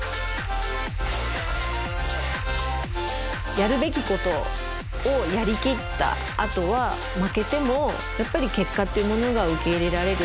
やるべきことをやりきったあとは負けてもやっぱり結果っていうものが受け入れられる。